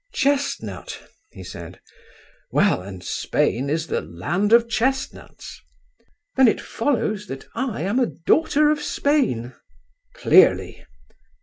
"Chestnut," he said. "Well, and Spain is the land of chestnuts." "Then it follows that I am a daughter of Spain." "Clearly."